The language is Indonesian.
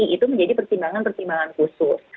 itu menjadi pertimbangan pertimbangan khusus